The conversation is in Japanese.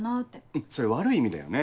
うんそれ悪い意味だよね。